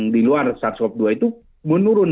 di luar sars cov dua itu menurun